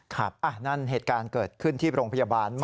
ครับนั่นเหตุการณ์เกิดขึ้นที่โรงพยาบาล